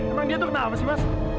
emang dia tuh kenapa sih mas